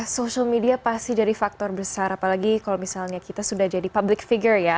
social media pasti jadi faktor besar apalagi kalau misalnya kita sudah jadi public figure ya